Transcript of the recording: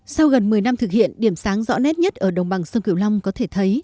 sau gần một mươi năm thực hiện điểm sáng rõ nét nhất ở đồng bằng sông cửu long có thể thấy